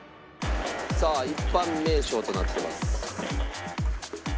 さあ一般名称となってます。